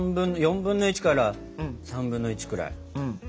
４分の１から３分の１くらい。